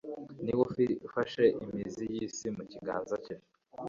ni we ufashe imizi y'isi mu kiganza cye